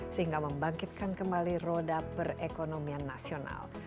sehingga membangkitkan kembali roda perekonomian nasional